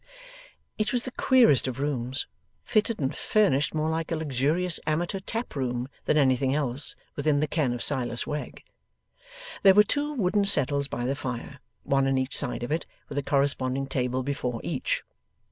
It was the queerest of rooms, fitted and furnished more like a luxurious amateur tap room than anything else within the ken of Silas Wegg. There were two wooden settles by the fire, one on either side of it, with a corresponding table before each.